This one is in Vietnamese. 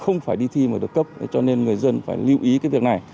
không phải đi thi mà được cấp cho nên người dân phải lưu ý cái việc này